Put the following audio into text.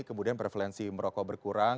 kemudian prevalensi merokok berkurang